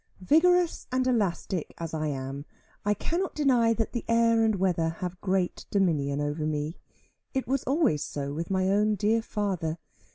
Vigorous and elastic as I am, I cannot deny that the air and weather have great dominion over me. It was always so with my own dear father.